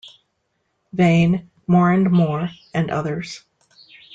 Vain", "More and More" and others.